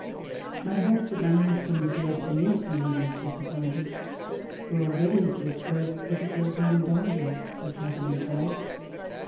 My hope that my husband would come to meet me was disappointed, for already it was both difficult and dangerous to travel In France.